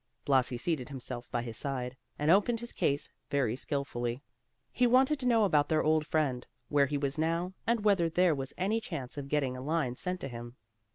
Blasi seated himself by his side, and opened his case very skilfully. He wanted to know about their old friend; where he was now, and whether there was any chance of getting a line sent to him.